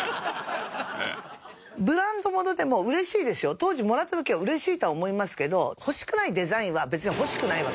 当時もらった時は嬉しいとは思いますけど欲しくないデザインは別に欲しくないわけですよ。